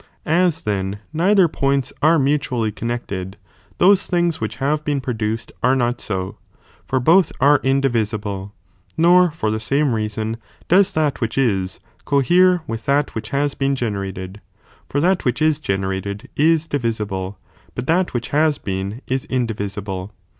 As then neither poinis are mutually connected, those things which have been produced are not so; for both are indivisible ; nor for ttie same reason does that which is, cohere with that which has been generated, for that which is generated is divisible, but that which has been is indivisible.